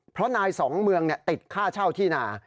เพราะนายสองเมืองติดค่าเช่าที่นา